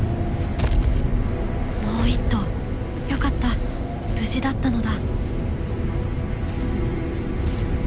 もう一頭よかった無事だったのだ。